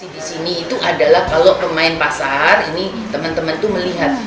di sini itu adalah kalau pemain pasar ini teman teman itu melihat